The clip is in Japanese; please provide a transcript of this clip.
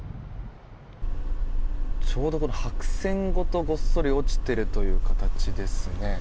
ちょうど白線ごとごっそり落ちているという形ですね。